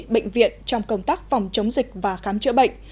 bệnh viện trong công tác phòng chống dịch và khám chữa bệnh